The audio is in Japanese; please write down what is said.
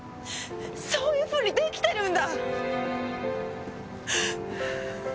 そういうふうに出来てるんだ！